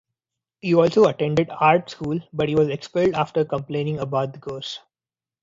He also attended art school, but he was expelled after complaining about the course.